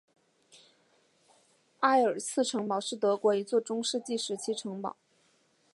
埃尔茨城堡是德国的一座中世纪时期城堡。